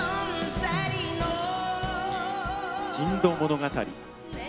「珍島物語」。